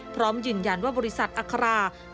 พร้อมยืนยันว่าบริษัทอครารีซ้าวเศษ